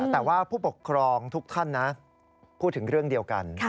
แต่ว่าผู้ปกครองทุกท่านนะพูดถึงเรื่องเดียวกัน